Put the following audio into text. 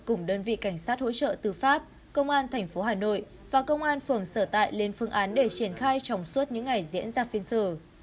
cùng đơn vị cảnh sát hỗ trợ tư pháp công an tp hà nội và công an phường sở tại lên phương án để triển khai trong suốt những ngày diễn ra phiên xử